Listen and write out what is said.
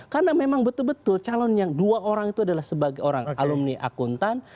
karena memang betul betul calon yang dua orang itu adalah sebagai orang alumni akuntan